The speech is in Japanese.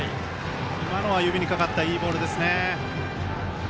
今のは指にかかったいいボールですね。